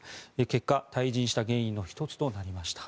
結果、退陣した原因の１つとなりました。